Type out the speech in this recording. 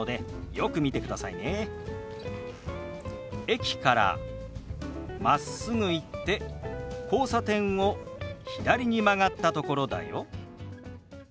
「駅からまっすぐ行って交差点を左に曲がったところだよ」。